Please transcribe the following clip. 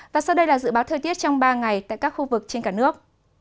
và sau đây là dự báo thời tiết trong ba ngày tại các khu vực trên cả nước